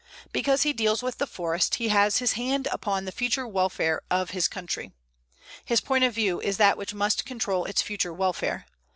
Because he deals with the forest, he has his hand upon the future welfare of his country. His point of view is that which must control its future welfare.